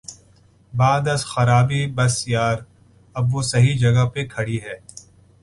بعد از خرابیٔ بسیار، اب وہ صحیح جگہ پہ کھڑی ہے۔